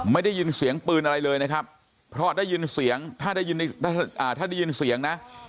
ไม่ได้ยินเสียงปืนอะไรเลยนะครับเพราะถ้าได้ยินเสียงนะ